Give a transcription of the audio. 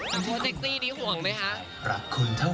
ถ้าโทรเจ็กซี่ดีห่วงไหมคะ